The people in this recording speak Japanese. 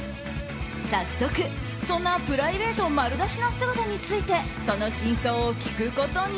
早速、そんなプライベート丸出しな姿についてその真相を聞くことに。